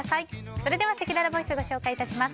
それではせきららボイスをご紹介いたします。